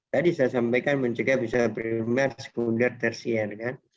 tadi saya sampaikan mencegah bisa primer sekunder tersier